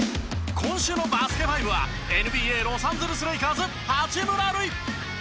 今週の『バスケ☆ＦＩＶＥ』はＮＢＡロサンゼルス・レイカーズ八村塁。